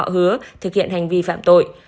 hứa thực hiện hành vi phạm tội